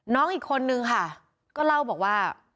น้องอีกคนนึงค่ะก็เล่าบอกว่า